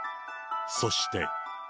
そして。